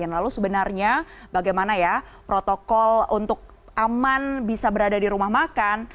lalu sebenarnya bagaimana ya protokol untuk aman bisa berada di rumah makan